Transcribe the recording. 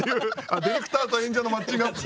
ディレクターと演者のマッチングアプリ。